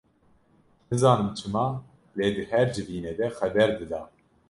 Nizanim çima lê di her civînê de xeber dida.